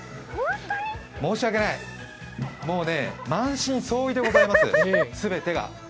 申し訳ない、もうね、満身創痍でございます、全てが。